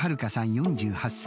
４８歳。